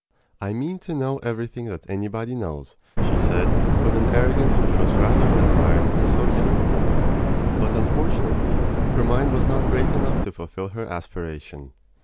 "I mean to know everything that anybody knows," she said, with an arrogance which was rather admired in so young a woman. But, unfortunately, her mind was not great enough to fulfil her aspiration.